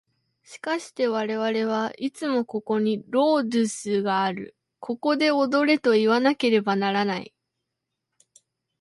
しかして我々はいつもここにロードゥスがある、ここで踊れといわなければならない。